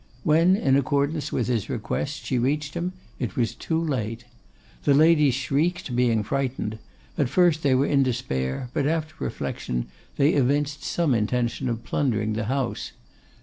When, in accordance with his request, she reached him, it was too late. The ladies shrieked, being frightened: at first they were in despair, but, after reflection, they evinced some intention of plundering the house.